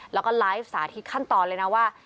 แล้วก็ไลฟ์สาธิตขั้นตอนเลยนะว่า